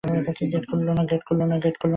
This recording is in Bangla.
গেট খুলল না।